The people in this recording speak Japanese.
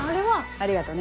ありがとね。